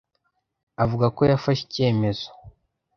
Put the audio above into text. avuga ko yafashe icyemezo